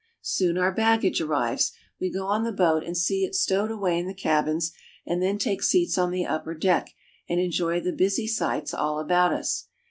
Soon our baggage arrives. We go on the boat and see it stowed away in the cabins, and then take seats on the upper deck, and enjoy the busy sights all about us.